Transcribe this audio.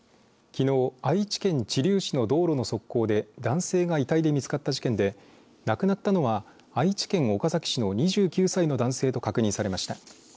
きのう愛知県知立市の道路の側溝で男性が遺体で見つかった事件で亡くなったのは愛知県岡崎市の２９歳の男性が確認されました。